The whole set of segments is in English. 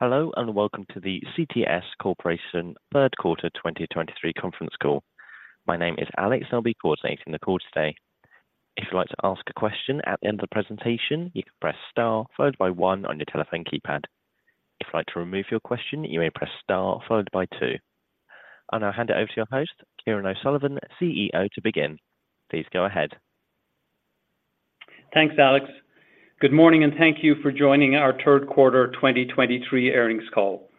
Hello, and welcome to the CTS Corporation third quarter 2023 conference call. My name is Alex. I'll be coordinating the call today. If you'd like to ask a question at the end of the presentation, you can press star, followed by one on your telephone keypad. If you'd like to remove your question, you may press star, followed by two. I'll now hand it over to your host, Kieran O'Sullivan, CEO, to begin. Please go ahead. Thanks, Alex. Good morning, and thank you for joining our third quarter 2023 earnings call.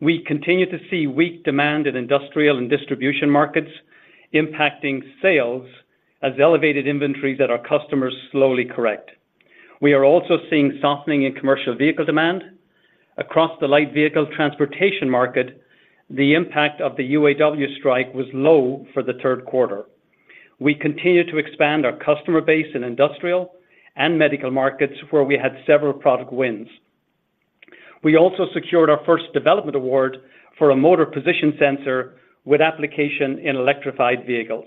We continue to see weak demand in industrial and distribution markets, impacting sales as elevated inventories at our customers slowly correct. We are also seeing softening in commercial vehicle demand. Across the light vehicle transportation market, the impact of the UAW strike was low for the third quarter. We continue to expand our customer base in industrial and medical markets, where we had several product wins. We also secured our first development award for a motor position sensor with application in electrified vehicles.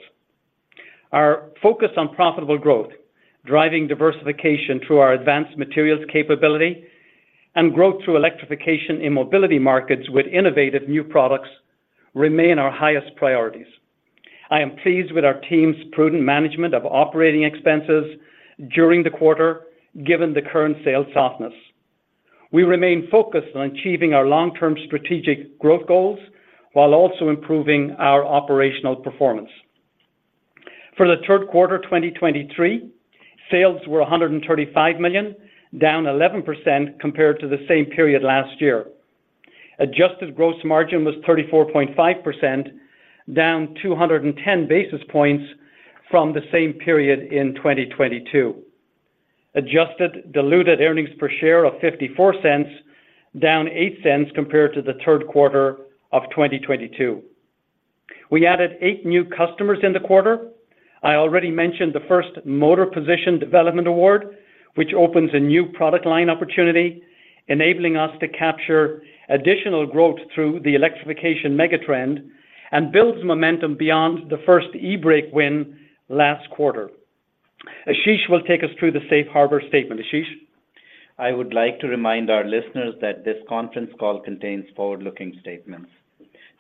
Our focus on profitable growth, driving diversification through our advanced materials capability and growth through electrification in mobility markets with innovative new products remain our highest priorities. I am pleased with our team's prudent management of operating expenses during the quarter, given the current sales softness. We remain focused on achieving our long-term strategic growth goals while also improving our operational performance. For the third quarter 2023, sales were $135 million, down 11% compared to the same period last year. Adjusted gross margin was 34.5%, down 210 basis points from the same period in 2022. Adjusted diluted earnings per share of $0.54, down $0.08 compared to the third quarter of 2022. We added 8 new customers in the quarter. I already mentioned the first motor position development award, which opens a new product line opportunity, enabling us to capture additional growth through the electrification megatrend and builds momentum beyond the first eBrake win last quarter. Ashish will take us through the Safe Harbor statement. Ashish? I would like to remind our listeners that this conference call contains forward-looking statements.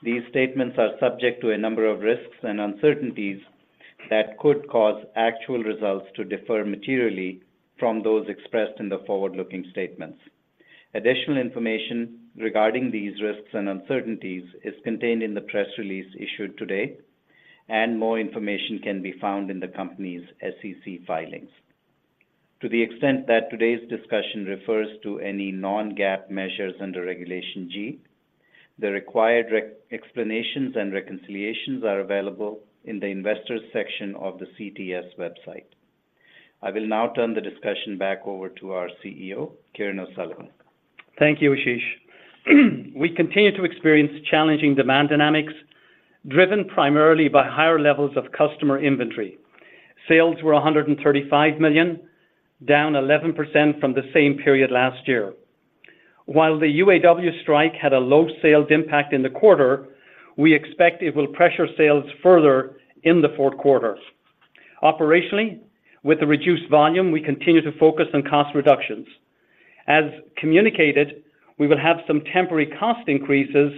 These statements are subject to a number of risks and uncertainties that could cause actual results to differ materially from those expressed in the forward-looking statements. Additional information regarding these risks and uncertainties is contained in the press release issued today, and more information can be found in the company's SEC filings. To the extent that today's discussion refers to any non-GAAP measures under Regulation G, the required explanations and reconciliations are available in the Investors section of the CTS website. I will now turn the discussion back over to our CEO, Kieran O'Sullivan. Thank you, Ashish. We continue to experience challenging demand dynamics, driven primarily by higher levels of customer inventory. Sales were $135 million, down 11% from the same period last year. While the UAW strike had a low sales impact in the quarter, we expect it will pressure sales further in the fourth quarter. Operationally, with the reduced volume, we continue to focus on cost reductions. As communicated, we will have some temporary cost increases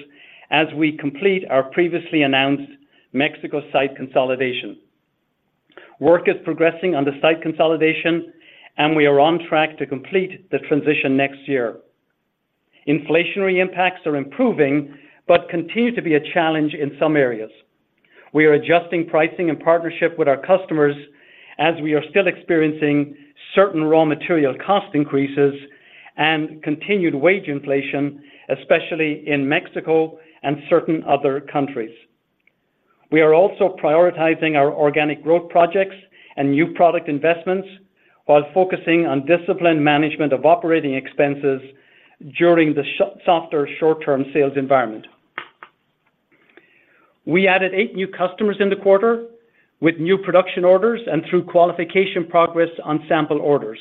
as we complete our previously announced Mexico site consolidation. Work is progressing on the site consolidation, and we are on track to complete the transition next year. Inflationary impacts are improving but continue to be a challenge in some areas. We are adjusting pricing and partnership with our customers as we are still experiencing certain raw material cost increases and continued wage inflation, especially in Mexico and certain other countries. We are also prioritizing our organic growth projects and new product investments while focusing on disciplined management of operating expenses during the softer short-term sales environment. We added eight new customers in the quarter with new production orders and through qualification progress on sample orders.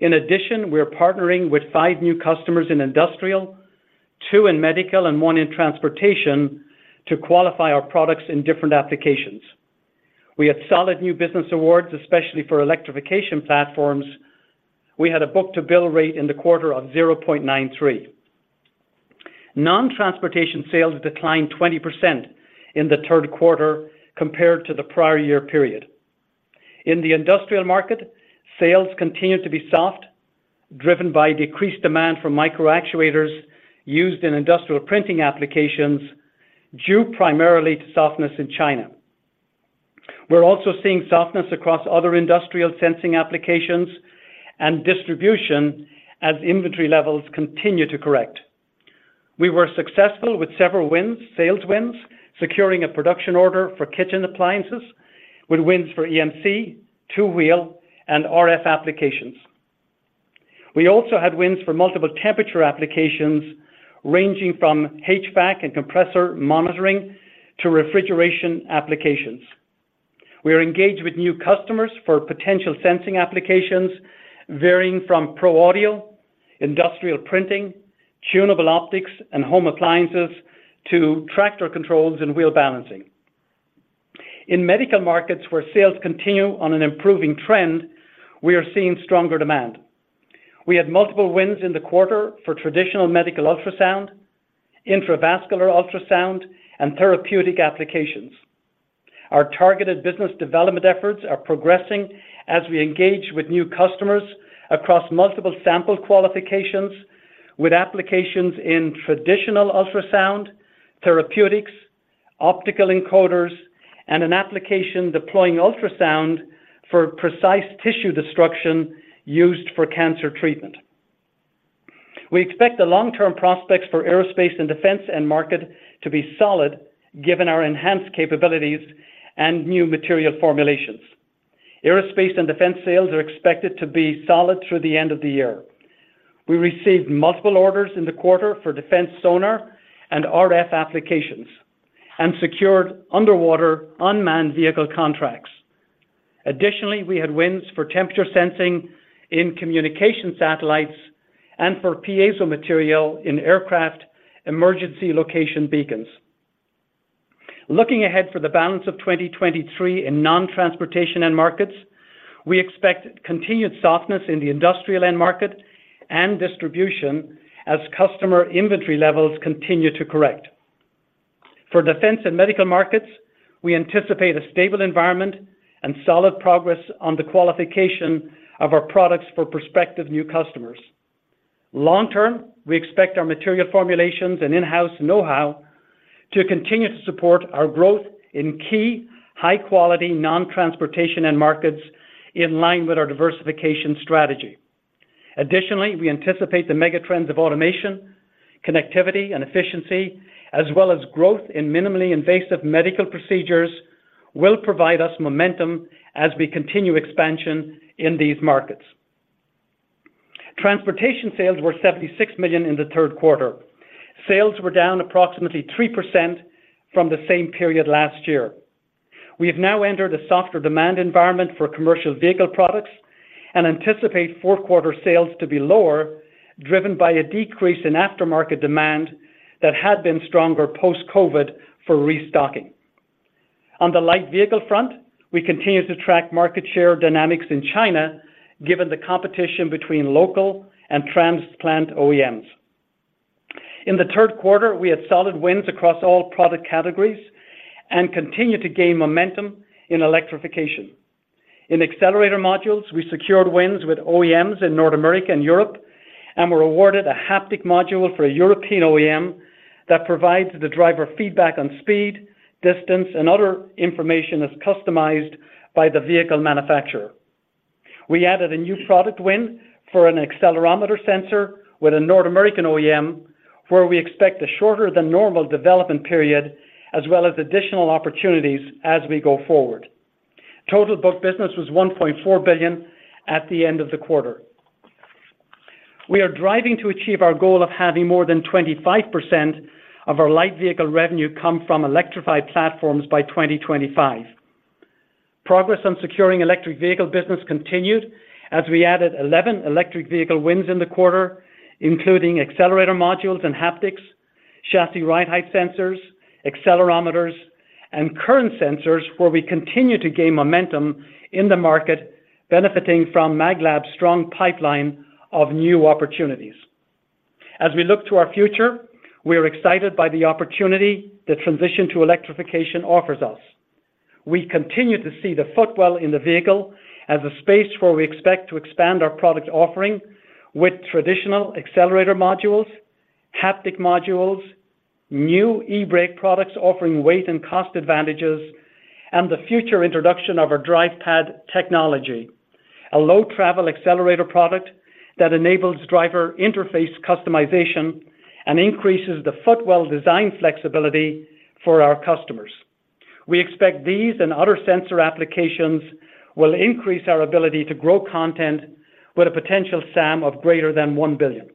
In addition, we are partnering with 5 new customers in industrial, 2 in medical, and one in transportation to qualify our products in different applications. We had solid new business awards, especially for electrification platforms. We had a book-to-bill rate in the quarter of 0.93. Non-transportation sales declined 20% in the third quarter compared to the prior year period. In the industrial market, sales continued to be soft, driven by decreased demand for micro actuators used in industrial printing applications, due primarily to softness in China. We're also seeing softness across other industrial sensing applications and distribution as inventory levels continue to correct. We were successful with several wins, sales wins, securing a production order for kitchen appliances, with wins for EMC, two-wheel, and RF applications. We also had wins for multiple temperature applications, ranging from HVAC and compressor monitoring to refrigeration applications. We are engaged with new customers for potential sensing applications, varying from pro audio, industrial printing, tunable optics, and home appliances to tractor controls and wheel balancing. In medical markets where sales continue on an improving trend, we are seeing stronger demand. We had multiple wins in the quarter for traditional medical ultrasound, intravascular ultrasound, and therapeutic applications. Our targeted business development efforts are progressing as we engage with new customers across multiple sample qualifications, with applications in traditional ultrasound, therapeutics, optical encoders, and an application deploying ultrasound for precise tissue destruction used for cancer treatment. We expect the long-term prospects for aerospace and defense end market to be solid, given our enhanced capabilities and new material formulations. Aerospace and defense sales are expected to be solid through the end of the year. We received multiple orders in the quarter for defense sonar and RF applications, and secured underwater unmanned vehicle contracts. Additionally, we had wins for temperature sensing in communication satellites and for piezo material in aircraft emergency location beacons. Looking ahead for the balance of 2023 in non-transportation end markets, we expect continued softness in the industrial end market and distribution as customer inventory levels continue to correct. For defense and medical markets, we anticipate a stable environment and solid progress on the qualification of our products for prospective new customers. Long term, we expect our material formulations and in-house know-how to continue to support our growth in key, high-quality, non-transportation end markets in line with our diversification strategy. Additionally, we anticipate the megatrends of automation, connectivity, and efficiency, as well as growth in minimally invasive medical procedures, will provide us momentum as we continue expansion in these markets. Transportation sales were $76 million in the third quarter. Sales were down approximately 3% from the same period last year. We have now entered a softer demand environment for commercial vehicle products and anticipate fourth quarter sales to be lower, driven by a decrease in aftermarket demand that had been stronger post-COVID for restocking. On the light vehicle front, we continue to track market share dynamics in China, given the competition between local and transplant OEMs. In the third quarter, we had solid wins across all product categories and continued to gain momentum in electrification. In accelerator modules, we secured wins with OEMs in North America and Europe, and were awarded a haptic module for a European OEM that provides the driver feedback on speed, distance, and other information as customized by the vehicle manufacturer. We added a new product win for an accelerometer sensor with a North American OEM, where we expect a shorter than normal development period, as well as additional opportunities as we go forward. Total booked business was $1.4 billion at the end of the quarter. We are driving to achieve our goal of having more than 25% of our light vehicle revenue come from electrified platforms by 2025. Progress on securing electric vehicle business continued as we added 11 electric vehicle wins in the quarter, including accelerator modules and haptics, chassis ride height sensors, accelerometers, and current sensors, where we continue to gain momentum in the market, benefiting from maglab's strong pipeline of new opportunities. As we look to our future, we are excited by the opportunity the transition to electrification offers us. We continue to see the footwell in the vehicle as a space where we expect to expand our product offering with traditional accelerator modules, haptic modules, new eBrake products offering weight and cost advantages, and the future introduction of our DrivePad technology, a low travel accelerator product that enables driver interface customization and increases the footwell design flexibility for our customers. We expect these and other sensor applications will increase our ability to grow content with a potential SAM of greater than $1 billion.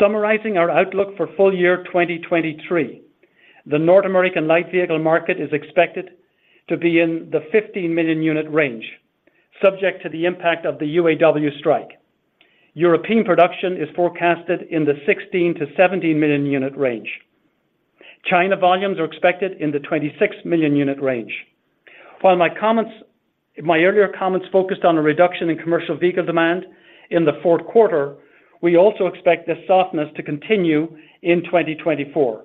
Summarizing our outlook for full year 2023, the North American light vehicle market is expected to be in the 15 million unit range, subject to the impact of the UAW strike. European production is forecasted in the 16-17 million unit range. China volumes are expected in the 26 million unit range. While my earlier comments focused on a reduction in commercial vehicle demand in the fourth quarter, we also expect this softness to continue in 2024.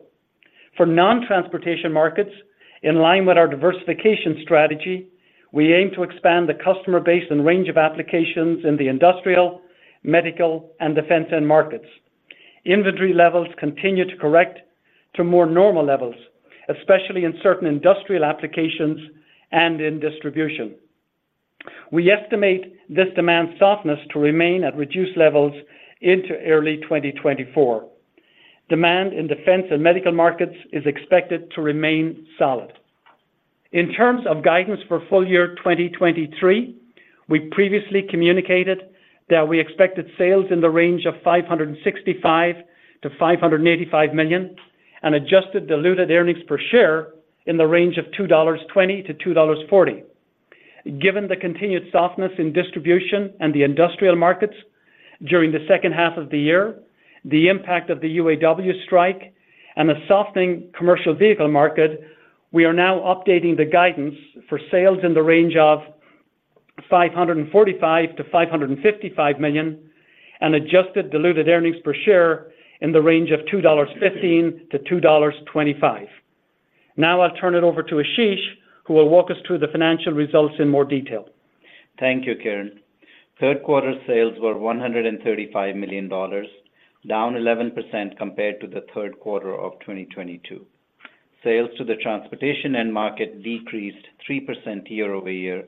For non-transportation markets, in line with our diversification strategy, we aim to expand the customer base and range of applications in the industrial, medical, and defense end markets. Inventory levels continue to correct to more normal levels, especially in certain industrial applications and in distribution. We estimate this demand softness to remain at reduced levels into early 2024. Demand in defense and medical markets is expected to remain solid. In terms of guidance for full year 2023, we previously communicated that we expected sales in the range of $565 million-$585 million, and adjusted diluted earnings per share in the range of $2.20-$2.40. Given the continued softness in distribution and the industrial markets during the second half of the year, the impact of the UAW strike and the softening commercial vehicle market, we are now updating the guidance for sales in the range of $545 million-$555 million, and adjusted diluted earnings per share in the range of $2.15-$2.25. Now I'll turn it over to Ashish, who will walk us through the financial results in more detail. Thank you, Kieran. Third quarter sales were $135 million, down 11% compared to the third quarter of 2022. Sales to the transportation end market decreased 3% year-over-year,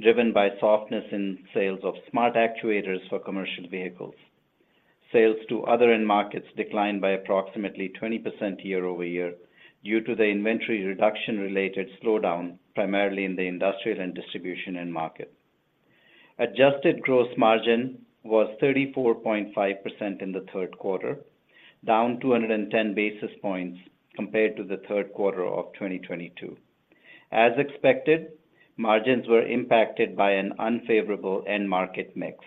driven by softness in sales of smart actuators for commercial vehicles. Sales to other end markets declined by approximately 20% year-over-year due to the inventory reduction related slowdown, primarily in the industrial and distribution end market. Adjusted gross margin was 34.5% in the third quarter, down 210 basis points compared to the third quarter of 2022. As expected, margins were impacted by an unfavorable end market mix.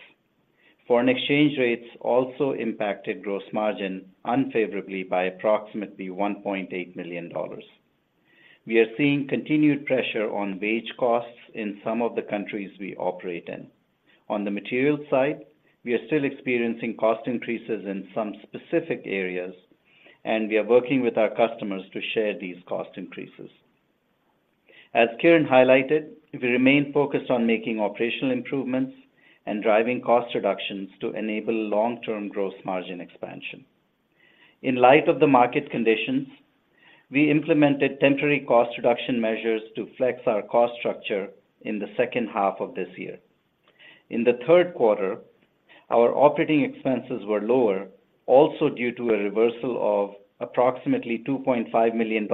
Foreign exchange rates also impacted gross margin unfavorably by approximately $1.8 million. We are seeing continued pressure on wage costs in some of the countries we operate in. On the material side, we are still experiencing cost increases in some specific areas, and we are working with our customers to share these cost increases. As Kieran highlighted, we remain focused on making operational improvements and driving cost reductions to enable long-term gross margin expansion. In light of the market conditions, we implemented temporary cost reduction measures to flex our cost structure in the second half of this year. In the third quarter, our operating expenses were lower, also due to a reversal of approximately $2.5 million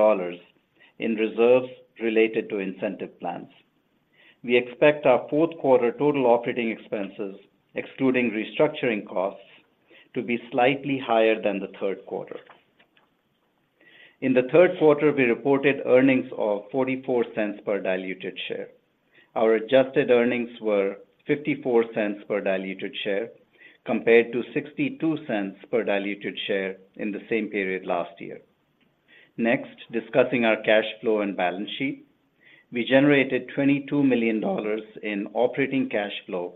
in reserves related to incentive plans. We expect our fourth quarter total operating expenses, excluding restructuring costs, to be slightly higher than the third quarter. In the third quarter, we reported earnings of $0.44 per diluted share. Our adjusted earnings were $0.54 per diluted share, compared to $0.62 per diluted share in the same period last year. Next, discussing our cash flow and balance sheet. We generated $22 million in operating cash flow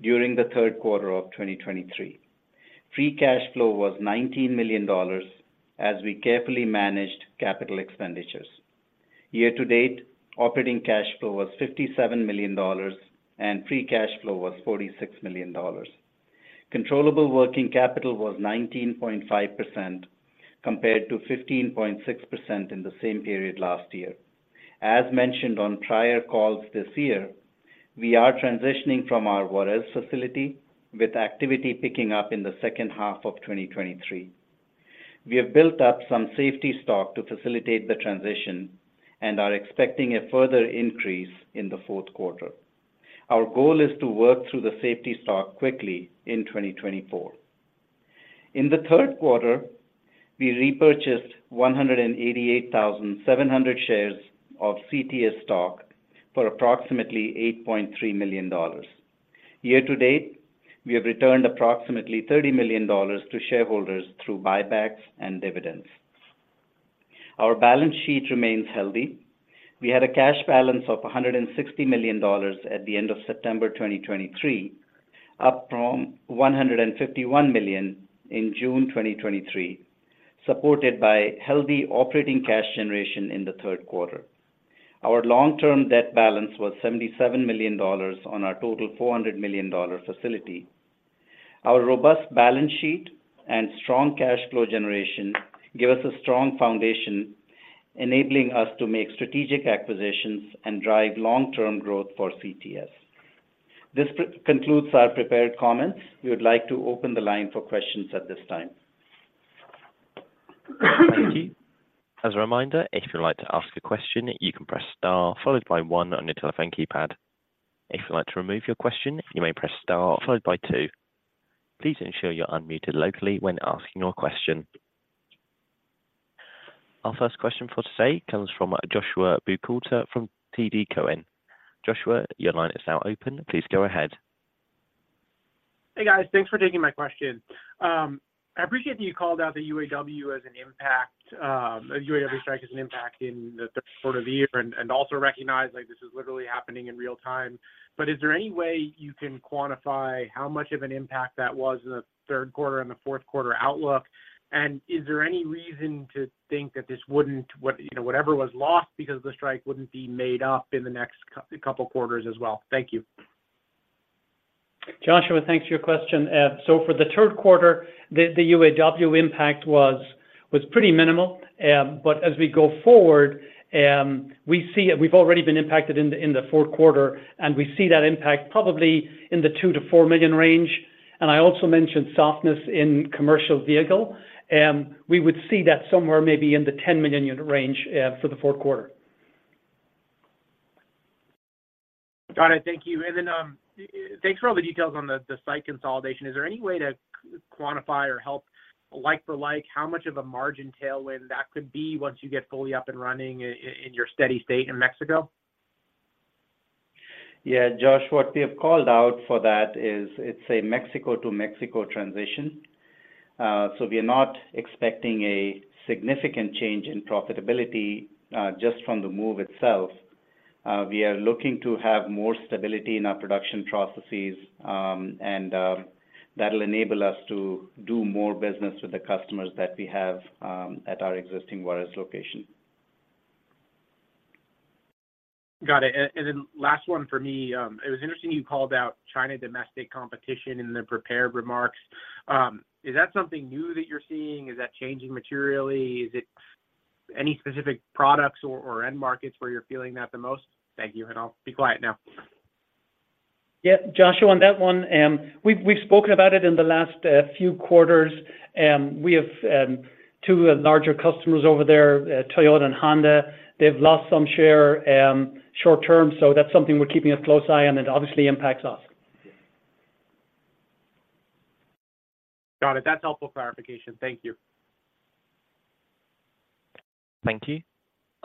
during the third quarter of 2023. Free cash flow was $19 million as we carefully managed capital expenditures. Year to date, operating cash flow was $57 million and free cash flow was $46 million. Controllable working capital was 19.5%, compared to 15.6% in the same period last year. As mentioned on prior calls this year, we are transitioning from our Juárez facility, with activity picking up in the second half of 2023. We have built up some safety stock to facilitate the transition and are expecting a further increase in the fourth quarter. Our goal is to work through the safety stock quickly in 2024. In the third quarter, we repurchased 188,700 shares of CTS stock for approximately $8.3 million. Year to date, we have returned approximately $30 million to shareholders through buybacks and dividends. Our balance sheet remains healthy. We had a cash balance of $160 million at the end of September 2023, up from $151 million in June 2023, supported by healthy operating cash generation in the third quarter. Our long-term debt balance was $77 million on our total $400 million facility. Our robust balance sheet and strong cash flow generation give us a strong foundation, enabling us to make strategic acquisitions and drive long-term growth for CTS. This concludes our prepared comments. We would like to open the line for questions at this time. Thank you. As a reminder, if you'd like to ask a question, you can press star, followed by one on your telephone keypad. If you'd like to remove your question, you may press star followed by two. Please ensure you're unmuted locally when asking your question. Our first question for today comes from Joshua Buchalter from TD Cowen. Joshua, your line is now open. Please go ahead. Hey, guys. Thanks for taking my question. I appreciate you called out the UAW as an impact, the UAW strike as an impact in the third quarter of the year, and also recognize, like, this is literally happening in real time. But is there any way you can quantify how much of an impact that was in the third quarter and the fourth quarter outlook? And is there any reason to think that this wouldn't what you know, whatever was lost because of the strike, wouldn't be made up in the next couple quarters as well? Thank you. Joshua, thanks for your question. So for the third quarter, the UAW impact was pretty minimal. But as we go forward, we see it. We've already been impacted in the fourth quarter, and we see that impact probably in the $2 million-$4 million range. I also mentioned softness in commercial vehicle. We would see that somewhere maybe in the 10 million unit range for the fourth quarter. Got it. Thank you. And then, thanks for all the details on the site consolidation. Is there any way to kind of quantify or help like for like, how much of a margin tailwind that could be once you get fully up and running in your steady state in Mexico? Yeah, Josh, what we have called out for that is it's a Mexico to Mexico transition. So we are not expecting a significant change in profitability, just from the move itself. We are looking to have more stability in our production processes, and that'll enable us to do more business with the customers that we have at our existing Juárez location. Got it. And then last one for me. It was interesting you called out China domestic competition in the prepared remarks. Is that something new that you're seeing? Is that changing materially? Is it any specific products or end markets where you're feeling that the most? Thank you, and I'll be quiet now. Yeah, Josh, on that one, we've spoken about it in the last few quarters. We have two larger customers over there, Toyota and Honda. They've lost some share, short term, so that's something we're keeping a close eye on, and it obviously impacts us. Got it. That's helpful clarification. Thank you. Thank you.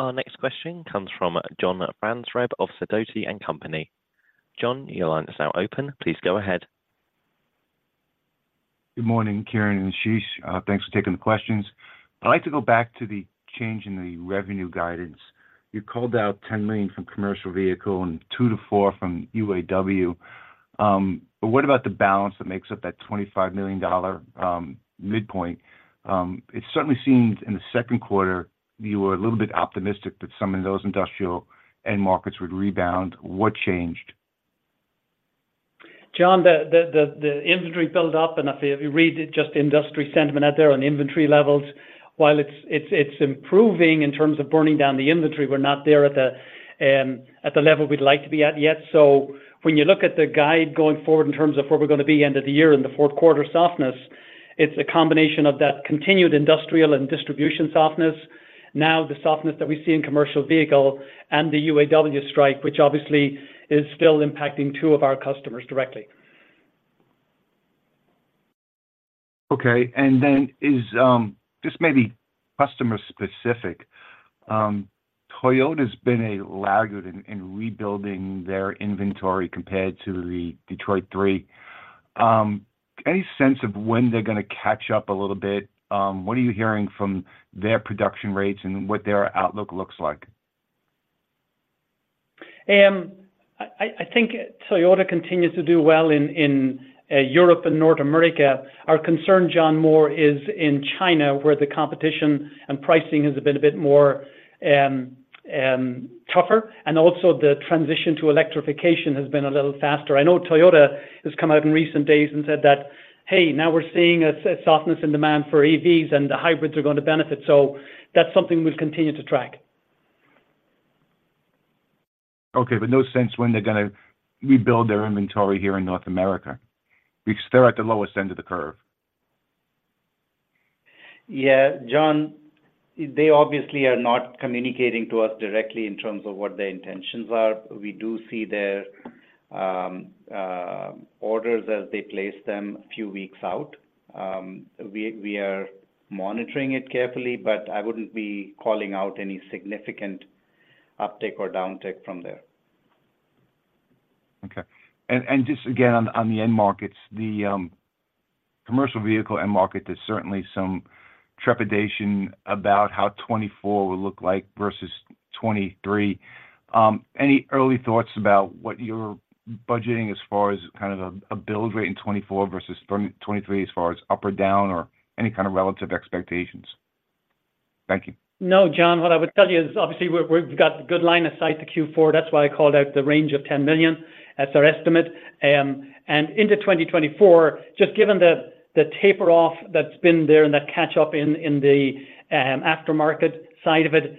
Our next question comes from John Franzreb of Sidoti & Company. John, your line is now open. Please go ahead. Good morning, Kieran and Ashish. Thanks for taking the questions. I'd like to go back to the change in the revenue guidance. You called out $10 million from commercial vehicle and 2-4 from UAW. But what about the balance that makes up that $25 million midpoint? It certainly seems in the second quarter you were a little bit optimistic that some of those industrial end markets would rebound. What changed? John, the inventory build-up, and if you read just industry sentiment out there on inventory levels, while it's improving in terms of burning down the inventory, we're not there at the level we'd like to be at yet. So when you look at the guide going forward in terms of where we're gonna be end of the year and the fourth quarter softness, it's a combination of that continued industrial and distribution softness. Now, the softness that we see in commercial vehicle and the UAW strike, which obviously is still impacting two of our customers directly. Okay, and then is this may be customer specific. Toyota's been a laggard in rebuilding their inventory compared to the Detroit 3. Any sense of when they're gonna catch up a little bit? What are you hearing from their production rates and what their outlook looks like? I think Toyota continues to do well in Europe and North America. Our concern, John, more is in China, where the competition and pricing has been a bit more tougher, and also the transition to electrification has been a little faster. I know Toyota has come out in recent days and said that, "Hey, now we're seeing a softness in demand for EVs, and the hybrids are going to benefit." So that's something we'll continue to track. Okay, but no sense when they're gonna rebuild their inventory here in North America, because they're at the lowest end of the curve. Yeah, John, they obviously are not communicating to us directly in terms of what their intentions are. We do see their orders as they place them a few weeks out. We are monitoring it carefully, but I wouldn't be calling out any significant uptick or downtick from there. Okay. And just again, on the end markets, the commercial vehicle end market, there's certainly some trepidation about how 2024 will look like versus 2023. Any early thoughts about what you're budgeting as far as kind of a build rate in 2024 versus 2023, as far as up or down or any kind of relative expectations? Thank you. No, John, what I would tell you is, obviously, we've got good line of sight to Q4. That's why I called out the range of $10 million as our estimate. Into 2024, just given the taper off that's been there and that catch up in the aftermarket side of it,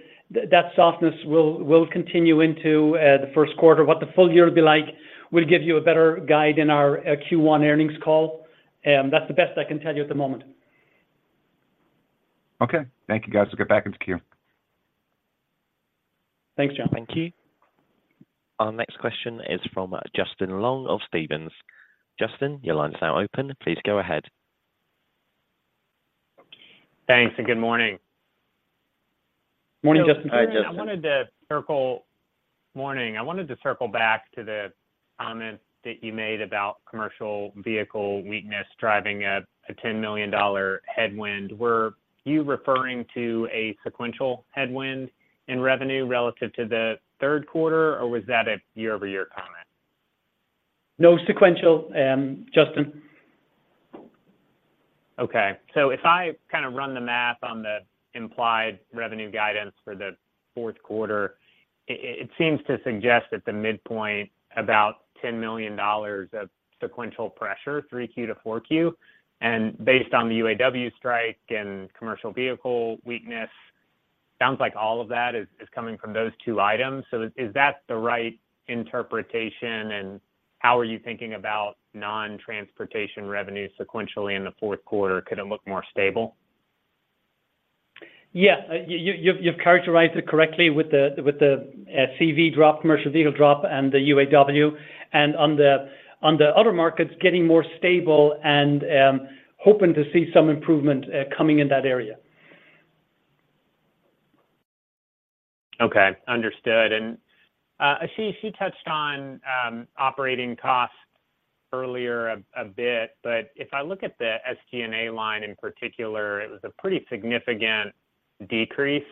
that softness will continue into the first quarter. What the full year will be like, we'll give you a better guide in our Q1 earnings call. That's the best I can tell you at the moment. Okay. Thank you, guys. We'll get back into queue. Thanks, John. Thank you. Our next question is from Justin Long of Stephens. Justin, your line is now open. Please go ahead. Thanks, and good morning. Morning, Justin. Hi, Justin. Morning. I wanted to circle back to the comment that you made about commercial vehicle weakness driving a $10 million headwind. Were you referring to a sequential headwind in revenue relative to the third quarter, or was that a year-over-year comment? No sequential, Justin. Okay. So if I kinda run the math on the implied revenue guidance for the fourth quarter, it seems to suggest that the midpoint about $10 million of sequential pressure, 3Q to 4Q. And based on the UAW strike and commercial vehicle weakness, sounds like all of that is coming from those two items. So is that the right interpretation, and how are you thinking about non-transportation revenue sequentially in the fourth quarter? Could it look more stable? Yeah, you've characterized it correctly with the CV drop, commercial vehicle drop, and the UAW, and on the other markets getting more stable and hoping to see some improvement coming in that area. Okay, understood. Ashish, you touched on operating costs earlier a bit, but if I look at the SG&A line in particular, it was a pretty significant decrease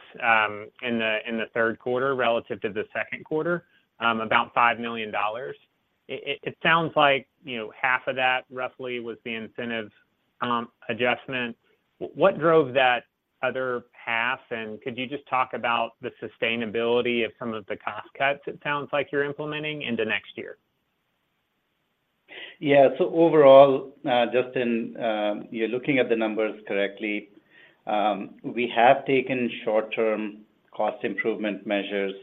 in the third quarter relative to the second quarter, about $5 million. It sounds like, you know, half of that roughly was the incentive adjustment. What drove that other half? And could you just talk about the sustainability of some of the cost cuts it sounds like you're implementing into next year? Yeah. So overall, Justin, you're looking at the numbers correctly. We have taken short-term cost improvement measures,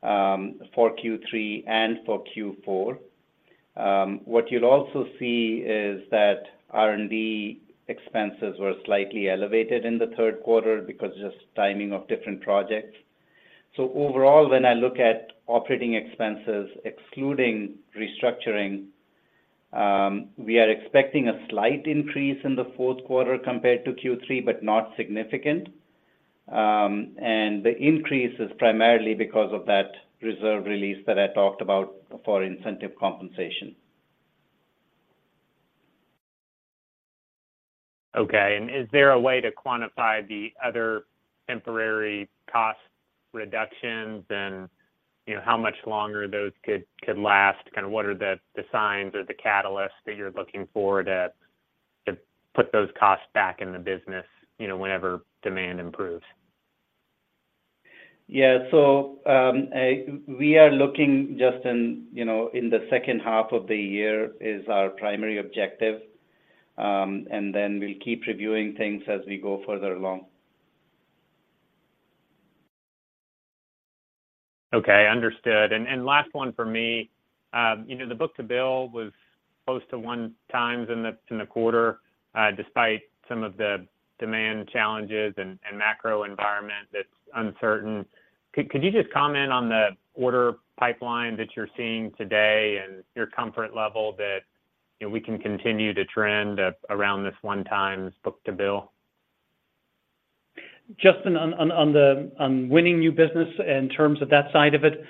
for Q3 and for Q4. What you'll also see is that R&D expenses were slightly elevated in the third quarter because just timing of different projects. So overall, when I look at operating expenses, excluding restructuring, we are expecting a slight increase in the fourth quarter compared to Q3, but not significant. And the increase is primarily because of that reserve release that I talked about for incentive compensation. Okay. And is there a way to quantify the other temporary cost reductions? And, you know, how much longer those could last? Kinda what are the signs or the catalysts that you're looking for to put those costs back in the business, you know, whenever demand improves? Yeah. So, we are looking, Justin, you know, in the second half of the year is our primary objective, and then we'll keep reviewing things as we go further along. Okay, understood. And last one for me, you know, the book-to-bill was close to one times in the quarter, despite some of the demand challenges and macro environment that's uncertain. Could you just comment on the order pipeline that you're seeing today and your comfort level that, you know, we can continue to trend at around this one times book-to-bill? Justin, on winning new business in terms of that side of it,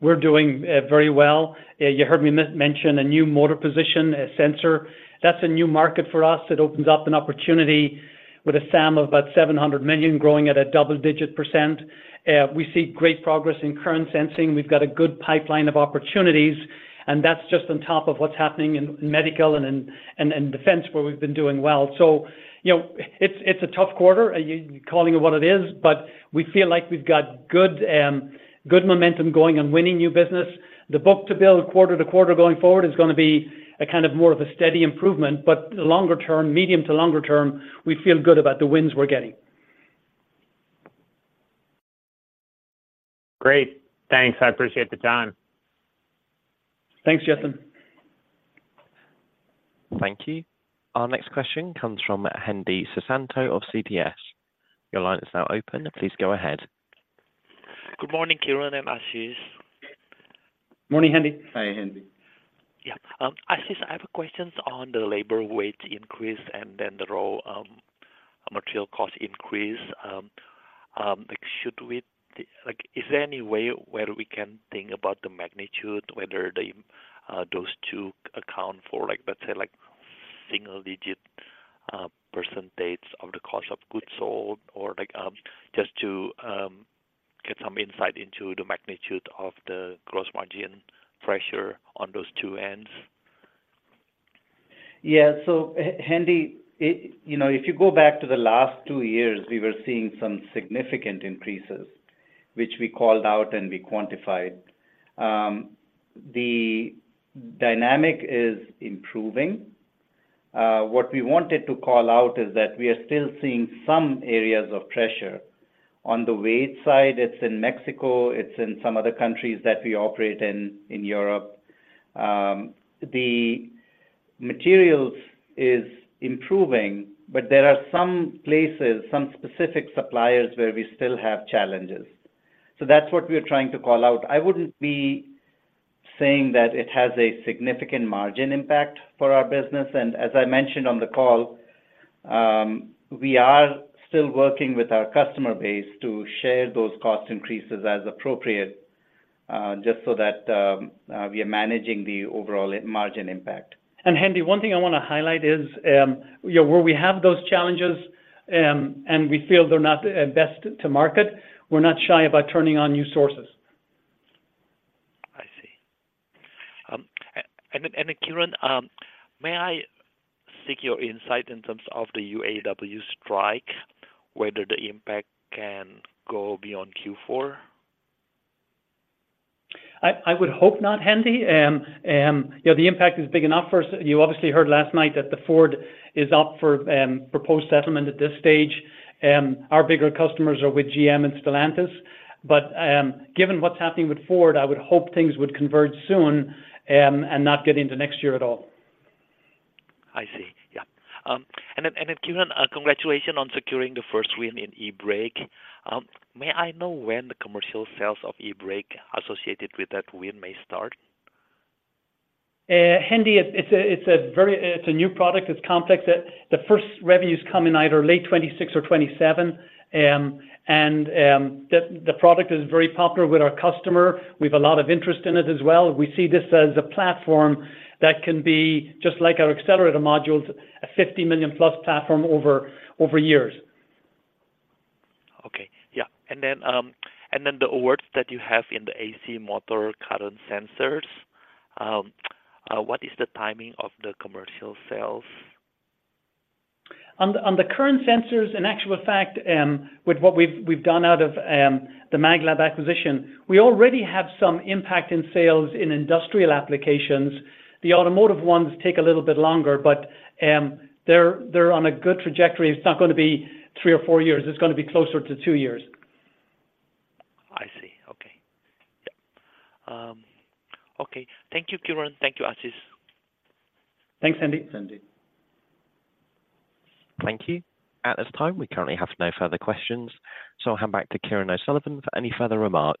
we're doing very well. You heard me mention a new motor position sensor. That's a new market for us. It opens up an opportunity with a SAM of about $700 million, growing at a double-digit percent. We see great progress in current sensing. We've got a good pipeline of opportunities, and that's just on top of what's happening in medical and in defense, where we've been doing well. So, you know, it's a tough quarter, you calling it what it is, but we feel like we've got good momentum going on winning new business. The book-to-bill, quarter to quarter going forward is gonna be a kind of more of a steady improvement, but longer term, medium to longer term, we feel good about the wins we're getting. Great. Thanks. I appreciate the time. Thanks, Justin. Thank you. Our next question comes from Hendi Susanto of CBS. Your line is now open. Please go ahead. Good morning, Kieran and Ashish. Morning, Hendy. Hi, Hendy. Yeah, Ashish, I have a question on the labor wage increase and then the raw material cost increase. Like, should we—like, is there any way where we can think about the magnitude, whether those two account for, like, let's say, single-digit percentage of the cost of goods sold, or like, just to get some insight into the magnitude of the gross margin pressure on those two ends? Yeah. So, you know, if you go back to the last two years, we were seeing some significant increases, which we called out and we quantified. The dynamic is improving. What we wanted to call out is that we are still seeing some areas of pressure. On the wage side, it's in Mexico, it's in some other countries that we operate in, in Europe. The materials is improving, but there are some places, some specific suppliers, where we still have challenges. So that's what we are trying to call out. I wouldn't be saying that it has a significant margin impact for our business, and as I mentioned on the call, we are still working with our customer base to share those cost increases as appropriate, just so that, we are managing the overall margin impact. Hendy, one thing I want to highlight is, you know, where we have those challenges, and we feel they're not best to market, we're not shy about turning on new sources. I see. And Kieran, may I seek your insight in terms of the UAW strike, whether the impact can go beyond Q4? I would hope not, Hendi. You know, the impact is big enough for us. You obviously heard last night that the Ford is up for proposed settlement at this stage. Our bigger customers are with GM and Stellantis, but given what's happening with Ford, I would hope things would converge soon and not get into next year at all. I see. Yeah. And then Kieran, congratulations on securing the first win in eBrake. May I know when the commercial sales of eBrake associated with that win may start? Hendi, it's a very new product. It's complex, that the first revenues come in either late 2026 or 2027. And the product is very popular with our customer. We've a lot of interest in it as well. We see this as a platform that can be just like our accelerator modules, a $50 million+ platform over years. Okay. Yeah. And then the awards that you have in the AC motor current sensors, what is the timing of the commercial sales? On the current sensors, in actual fact, with what we've done out of the maglab acquisition, we already have some impact in sales in industrial applications. The automotive ones take a little bit longer, but they're on a good trajectory. It's not gonna be three or four years, it's gonna be closer to two years. I see. Okay. Yeah. Okay. Thank you, Kieran. Thank you, Ashish. Thanks, Hendi. Thanks, Hendi. Thank you. At this time, we currently have no further questions, so I'll hand back to Kieran O'Sullivan for any further remarks.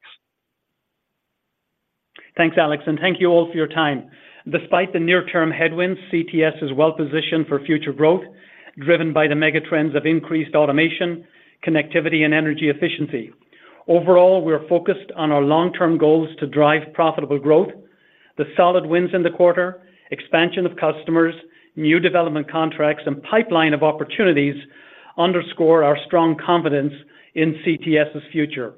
Thanks, Alex, and thank you all for your time. Despite the near-term headwinds, CTS is well positioned for future growth, driven by the megatrends of increased automation, connectivity, and energy efficiency. Overall, we are focused on our long-term goals to drive profitable growth. The solid wins in the quarter, expansion of customers, new development contracts, and pipeline of opportunities underscore our strong confidence in CTS's future.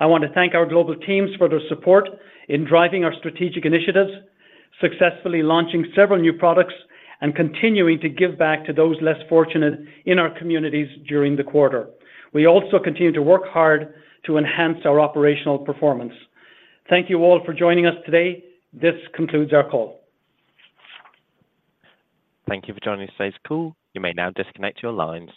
I want to thank our global teams for their support in driving our strategic initiatives, successfully launching several new products, and continuing to give back to those less fortunate in our communities during the quarter. We also continue to work hard to enhance our operational performance. Thank you all for joining us today. This concludes our call. Thank you for joining today's call. You may now disconnect your lines.